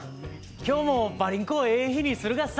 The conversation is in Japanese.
今日もばりんこええ日にするがっさ！